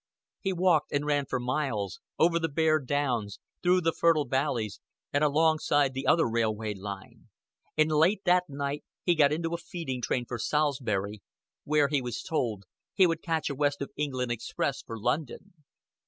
He walked and ran for miles over the bare downs, through the fertile valleys, and alongside the other railway line; and late that night he got into a feeding train for Salisbury, where, he was told, he would catch a West of England express for London.